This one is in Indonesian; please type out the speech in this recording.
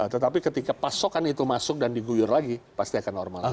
tetapi ketika pasokan itu masuk dan diguyur lagi pasti akan normal lagi